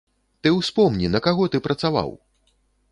Ты ўспомні, на каго ты працаваў?